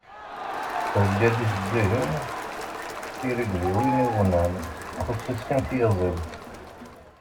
Thegga-d ifeggagen, tirigliwin, iɣunam. Txuṣ-itt kan tyaẓilt.